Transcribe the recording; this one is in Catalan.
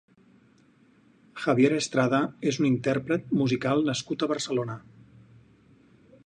Javier Estrada és un intérpret musical nascut a Barcelona.